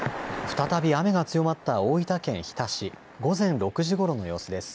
再び雨が強まった大分県日田市、午前６時ごろの様子です。